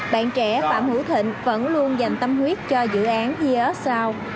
bạn trẻ phạm hữu thịnh vẫn luôn dành tâm huyết cho dự án year sound